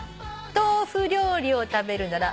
「豆腐料理を食べるなら」